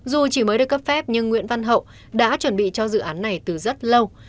dù chỉ mới được cấp phép nhưng nguyễn văn hậu đã chuẩn bị cho dự án này từ rất lâu